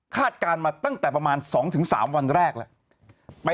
การมาตั้งแต่ประมาณ๒๓วันแรกแล้ว